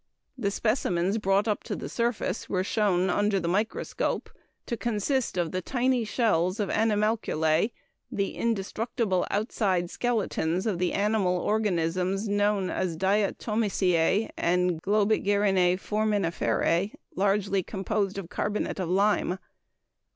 The specimens brought up to the surface were shown under the microscope to consist (Fig. 3) of the tiny shells of animalculæ the indestructible outside skeletons of the animal organisms known as diatomaceæ and globigirenæ foraminiferæ largely composed of carbonate of lime.